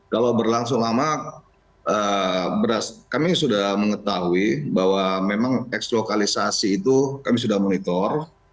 kalau berlangsung lama kami sudah mengetahui bahwa memang eks lokalisasi itu kami sudah monitor